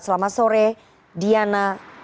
selamat sore diana